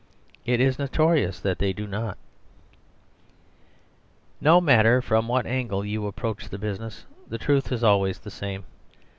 It is notorious that they do not. No matter from what angle you approach the busi ness, the truth is always the same.